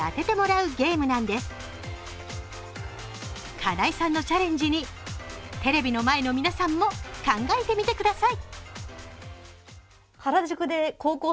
金井さんのチャレンジにテレビの前の皆さんも考えてみてください。